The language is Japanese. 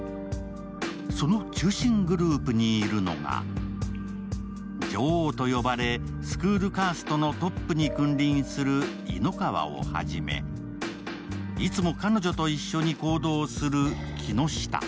その中心グループにいるのが、女王と呼ばれ、スクールカーストのトップに君臨する井ノ川をはじめ、いつも彼女と一緒に行動する木下。